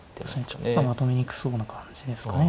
ちょっとまとめにくそうな感じですかね。